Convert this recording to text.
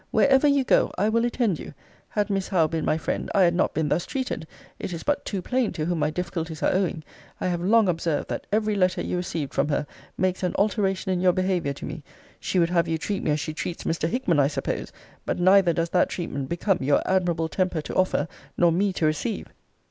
Wherever you go, I will attend you. Had Miss Howe been my friend, I had not been thus treated. It is but too plain to whom my difficulties are owing. I have long observed, that every letter you received from her, makes an alteration in your behaviour to me. She would have you treat me, as she treats Mr. Hickman, I suppose: but neither does that treatment become your admirable temper to offer, nor me to receive.